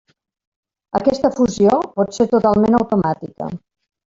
Aquesta fusió pot ser totalment automàtica.